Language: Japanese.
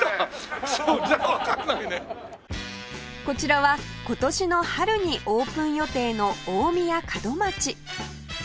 こちらは今年の春にオープン予定の大宮門街